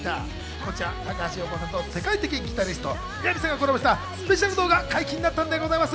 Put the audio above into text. こちら高橋洋子さんと世界的ギタリストのＭＩＹＡＶＩさんがコラボしたスペシャル動画が解禁になったんです。